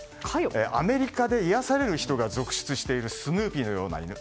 アメリカで癒やされる人が続出しているスヌーピーのような犬。